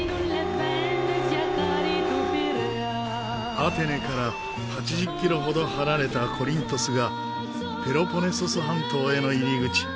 アテネから８０キロほど離れたコリントスがペロポネソス半島への入り口。